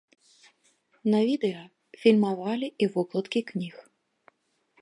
На відэа фільмавалі і вокладкі кніг.